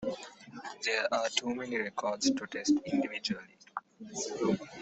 There are too many records to test individually.